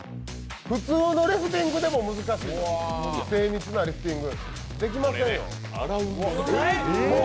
普通のリフティングでも難しい、精密なリフティングできませんよ。